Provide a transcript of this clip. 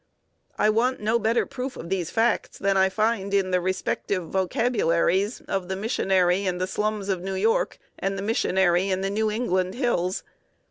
I want no better proof of these facts than I find in the respective vocabularies of the missionary in the slums of New York and the missionary in the New England hills.